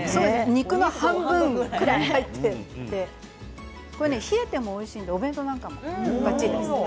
肉の半分ぐらい入っているのでこれは冷えてもおいしいのでお弁当にも、ばっちりです。